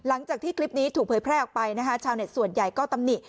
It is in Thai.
หลังจากที่คลิปนี้ถูกเผยแพร่ออกไปนะคะชาวเน็ตส่วนใหญ่ก็ตำหนิ